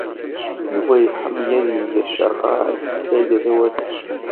Yuba iḥemmel ad yeg acaɣal i Saɛida Tawasift.